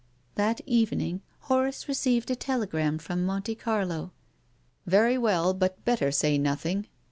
That evening Horace received a telegram from Monte Carlo " Very well but better say nothing.